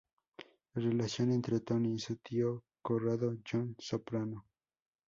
La relación entre Tony y su tío, Corrado John Soprano, Jr.